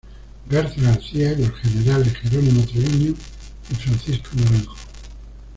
Garza García y los generales Jerónimo Treviño y Francisco Naranjo.